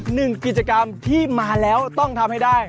หนึ่งกิจกรรมที่มาแล้วต้องทำให้ได้